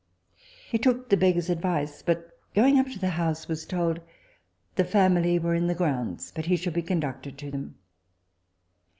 He took the beggar's advice, but going up to the house was told the family were in the grounds, but he should be conducted to them.